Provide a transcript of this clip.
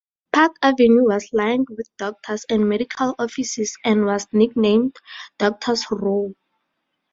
Park Avenue was lined with doctors and medical offices and was nicknamed "Doctors Row".